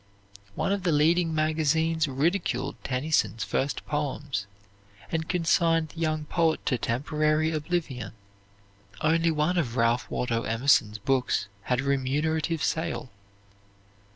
One of the leading magazines ridiculed Tennyson's first poems, and consigned the young poet to temporary oblivion. Only one of Ralph Waldo Emerson's books had a remunerative sale.